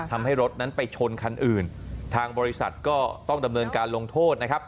ทำให้รถนั้นไปชนคันอื่นทางบริษัทก็ต้องดำเนินการลงโทษนะครับ